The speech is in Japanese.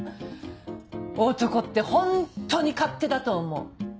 男ってホントに勝手だと思う。